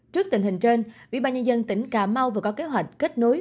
trước tình hình trên ủy ban nhân dân tỉnh cà mau vừa có kế hoạch kết nối